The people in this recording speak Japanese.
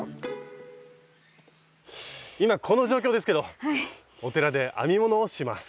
今この状況ですけどお寺で編み物をします。